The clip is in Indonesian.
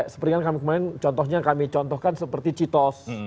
seperti yang kami contohkan seperti citos